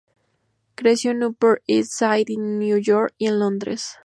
Creció en el Upper East Side en Nueva York y en Londres.